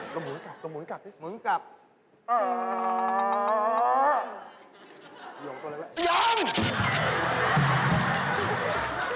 ก็เวลากลับมาจากกำลังกลับย้อม